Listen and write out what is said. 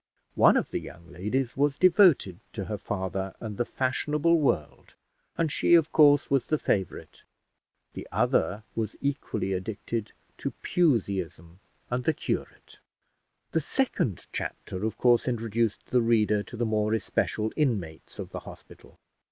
One of the young ladies was devoted to her father and the fashionable world, and she of course was the favourite; the other was equally addicted to Puseyism and the curate. The second chapter of course introduced the reader to the more especial inmates of the hospital.